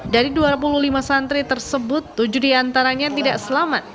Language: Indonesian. dari dua puluh lima santri tersebut tujuh diantaranya tidak selamat